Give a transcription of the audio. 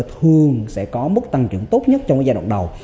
thường sẽ có mức tăng trưởng tốt nhất trong giai đoạn đầu